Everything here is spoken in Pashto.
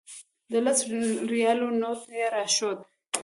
د لسو ریالو نوټ یې راښود.